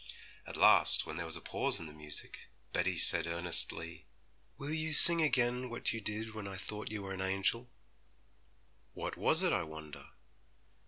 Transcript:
At last, when there was a pause in the music, Betty said earnestly, 'Will you sing again what you did when I thought you were an angel?' 'What was it, I wonder?'